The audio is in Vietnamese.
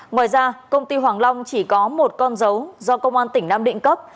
ngoài ra công ty hoàng long chỉ có một con dấu do công an tỉnh nam định cấp